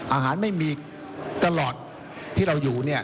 อาหารไม่มีตลอดที่เราอยู่เนี่ย